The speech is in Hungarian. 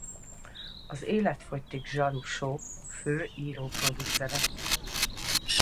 Az Életfogytig zsaru show fő író-producere.